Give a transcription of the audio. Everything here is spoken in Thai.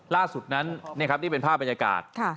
ล่าสุดนั้นนี่เป็นภาพบรรยากาศ